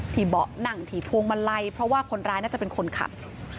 เบาะนั่งที่พวงมาลัยเพราะว่าคนร้ายน่าจะเป็นคนขับ